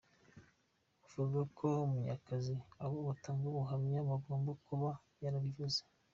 Buvuga ko Munyakazi abo batanga ubuhamya yagombye kuba yarabivuze.